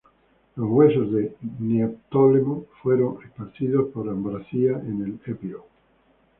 Los huesos de Neoptólemo fueron esparcidos por Ambracia, en el Epiro.